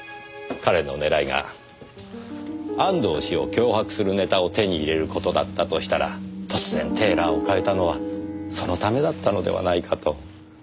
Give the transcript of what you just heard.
彼の狙いが安藤氏を脅迫するネタを手に入れる事だったとしたら突然テーラーを変えたのはそのためだったのではないかと。